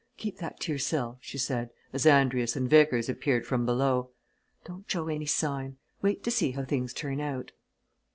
Keep that to yourself," she said as Andrius and Vickers appeared from below. "Don't show any sign wait to see how things turn out."